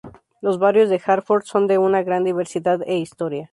Los barrios de Hartford son de una gran diversidad e historia.